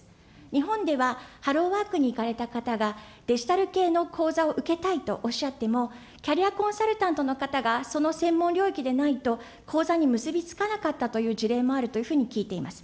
日本ではハローワークに行かれた方がデジタル系の講座を受けたいとおっしゃっても、キャリアコンサルタントの方がその専門領域でないと、講座に結び付かなかったという事例もあるというふうに聞いています。